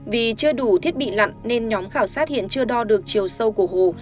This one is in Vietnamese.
vì chưa đủ thiết bị lặn nên nhóm khảo sát hiện chưa đo được chiều sâu của hồ